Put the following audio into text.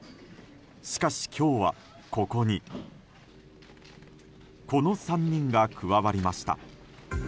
しかし今日は、ここにこの３人が加わりました。